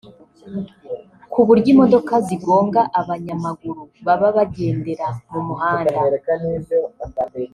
kuburyo imodoka zigonga abanyamaguru baba bagendera mu muhanda